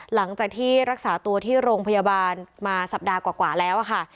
หลังจากที่รักษาตัวที่โรงพยาบาลมาสัปดาห์กว่าแล้วค่ะ